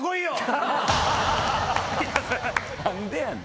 何でやねん。